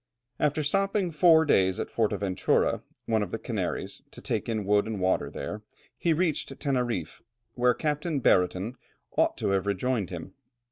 After stopping four days at Fortaventura, one of the Canaries, to take in wood and water there, he reached Teneriffe, where Captain Brereton ought to have rejoined him.